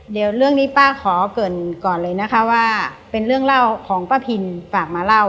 เดี๋ยวเรื่องนี้ป้าขอเกินก่อนเลยนะคะว่าเป็นเรื่องเล่าของป้าพินฝากมาเล่า